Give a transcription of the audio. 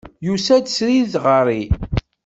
Yusa-d srid ɣer-i.